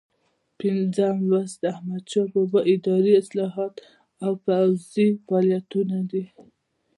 پنځم لوست د احمدشاه بابا اداري اصلاحات او پوځي فعالیتونه دي.